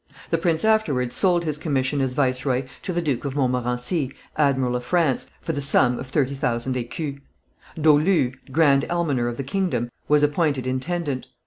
The prince afterwards sold his commission as viceroy to the Duke of Montmorency, Admiral of France, for the sum of thirty thousand écus. Dolu, grand almoner of the kingdom, was appointed intendant.